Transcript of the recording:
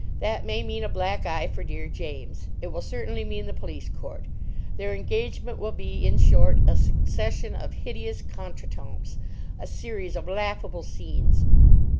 That may mean a black eye for dear James. It will certainly mean the police court. Their engagement will be, in short, a succession of hideous contretemps, a series of laughable scenes."